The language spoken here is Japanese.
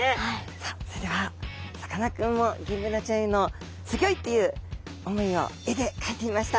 さあそれではさかなクンもギンブナちゃんへのすギョいっていう思いを絵で描いてみました。